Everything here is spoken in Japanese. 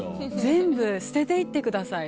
全部捨てていってください。